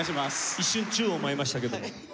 一瞬宙を舞いましたけども。